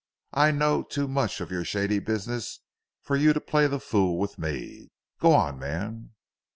I know too much of your shady business for you to play the fool with me. Go on man."